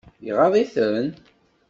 Iɣaḍ-iten?